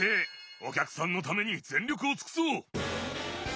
お客さんのために全力を尽くそう！